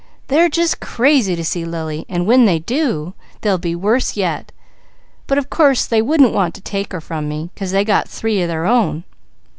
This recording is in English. They're just crazy to see Lily, and when they do, they'll be worse yet; but of course they wouldn't want to take her from me, 'cause they got three of their own.